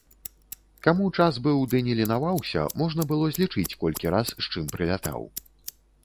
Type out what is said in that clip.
Каму час быў ды не ленаваўся, можна было злічыць, колькі раз з чым прылятаў.